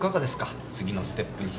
次のステップに。